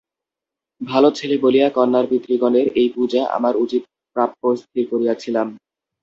ভালো ছেলে বলিয়া কন্যার পিতৃগণের এই পূজা আমার উচিত প্রাপ্য স্থির করিয়াছিলাম।